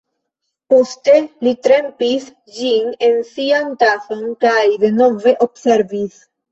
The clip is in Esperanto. Poste li trempis ĝin en sian tason, kaj denove observis.